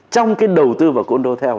trong cái đầu tư vào cô đô theo